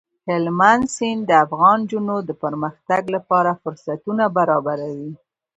هلمند سیند د افغان نجونو د پرمختګ لپاره فرصتونه برابروي.